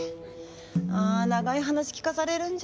あ長い話聞かされるんじゃ。